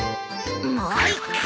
もう一回！